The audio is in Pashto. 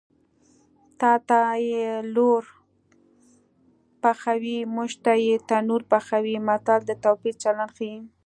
تاته یې لور پخوي موږ ته یې تنور پخوي متل د توپیر چلند ښيي